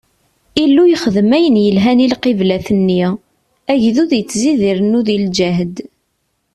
Illu yexdem ayen yelhan i lqiblat-nni, agdud ittzid irennu di lǧehd.